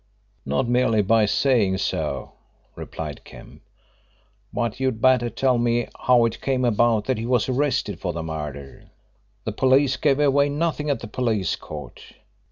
"Not merely by saying so," replied Kemp. "But you'd better tell me how it came about that he was arrested for the murder. The police gave away nothing at the police court.